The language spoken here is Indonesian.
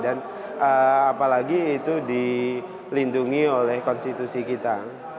apalagi itu dilindungi oleh konstitusi kita